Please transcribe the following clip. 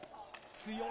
強い！